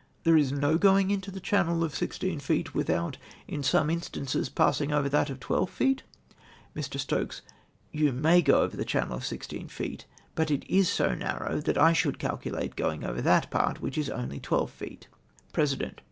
—" There is no going into the channel of sixteen feet witliout, in some instances, passing over that of twelve feet ?" Mr. Stokes. —" You may go over the channel of sixteen feet, but it is so narroiv that I should calculate going over that part Avhich is only tivelve feeV President.